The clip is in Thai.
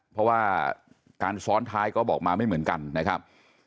เพราะว่าการซ้อนท้ายก็บอกมาไม่เหมือนกันนะครับ